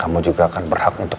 baik pak nino